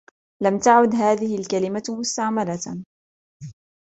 لم تعد هذه الكلمة مستعملةً.